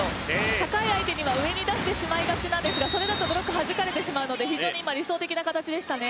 高い相手には上に出してしまいがちなんですがそれだとブロックはじかれてしまうので非常に理想的な形でしたね。